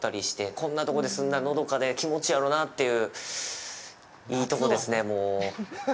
こんなとこで住んだらのどかで気持ちいいやろなといういいとこですね。